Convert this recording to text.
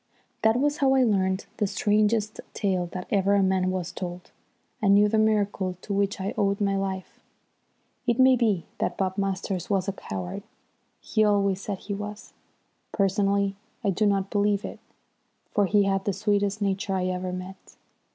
That was how I learnt the strangest tale that ever a man was told, and knew the miracle to which I owed my life. It may be that Bob Masters was a coward. He always said that he was. Personally I do not believe it, for he had the sweetest nature I ever met.